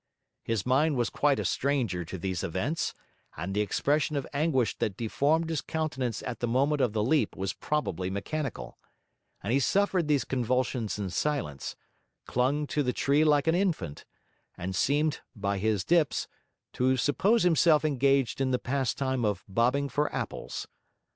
His mind was quite a stranger to these events; the expression of anguish that deformed his countenance at the moment of the leap was probably mechanical; and he suffered these convulsions in silence; clung to the tree like an infant; and seemed, by his dips, to suppose himself engaged in the pastime of bobbing for apples.